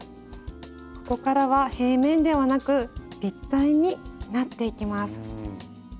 ここからは平面ではなく立体になっていきます。